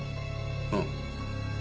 うん。